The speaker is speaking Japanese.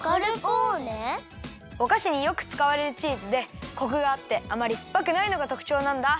おかしによくつかわれるチーズでコクがあってあまりすっぱくないのがとくちょうなんだ。